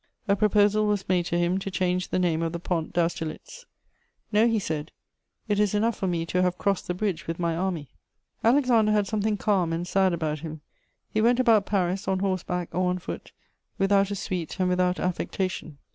A proposal was made to him to change the name of the Pont d'Austerlitz: "No," he said, "it is enough for me to have crossed the bridge with my army." Alexander had something calm and sad about him. He went about Paris, on horse back or on foot, without a suite and without affectation.